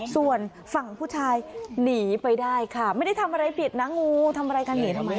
ส่วนฝั่งผู้ชายหนีไปได้ค่ะไม่ได้ทำอะไรผิดนะงูทำอะไรกันหนีทำไม